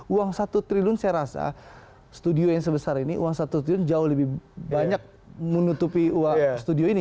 uang satu triliun saya rasa studio yang sebesar ini uang satu triliun jauh lebih banyak menutupi uang studio ini